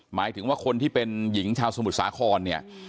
หมายถึงว่าคนที่เป็นหญิงชาวสมุทรสาครเนี่ย